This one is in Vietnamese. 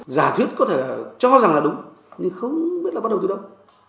giải thuyết có thể là cho rằng là đúng nhưng không biết là bắt đầu từ đâu